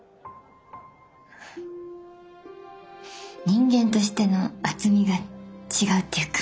人間としての厚みが違うっていうか。